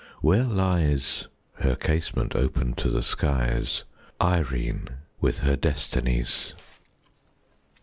where lies (Her casement open to the skies) Irene, with her Destinies!